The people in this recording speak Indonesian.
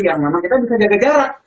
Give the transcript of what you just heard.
ya memang kita bisa jaga jarak